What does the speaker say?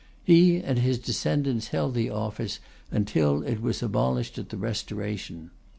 He and his descendants held the office until it was abolished at the Restoration.